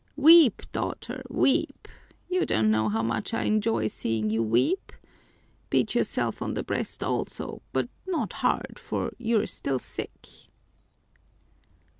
Weep, daughter, weep! You don't know how much I enjoy seeing you weep. Beat yourself on the breast also, but not hard, for you're still sick."